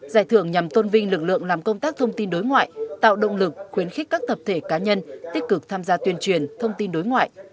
giải thưởng nhằm tôn vinh lực lượng làm công tác thông tin đối ngoại tạo động lực khuyến khích các tập thể cá nhân tích cực tham gia tuyên truyền thông tin đối ngoại